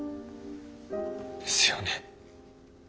ですよね。